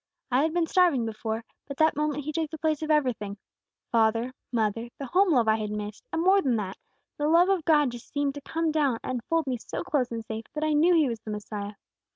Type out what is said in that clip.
I had been starving before, but that moment He took the place of everything, father, mother, the home love I had missed, and more than that, the love of God seemed to come down and fold me so close and safe, that I knew He was the Messiah.